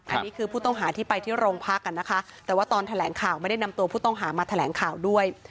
อันนี้คือผู้ต้องหาที่ไปที่โรงพักอ่ะนะคะแต่ว่าตอนแถลงข่าวไม่ได้นำตัวผู้ต้องหามาแถลงข่าวด้วย